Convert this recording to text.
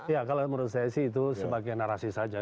ya kalau menurut saya sih itu sebagai narasi saja